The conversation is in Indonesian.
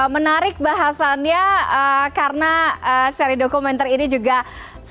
menarik bahasanya karena seri dokumenter ini juga sedang hangat hangatnya dibicarakan